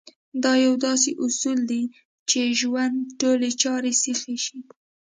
دا يو داسې اصول دی چې ژوند ټولې چارې سيخې شي.